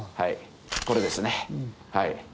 これですね。